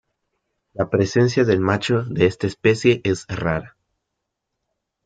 La presencia del macho de esta especie es rara.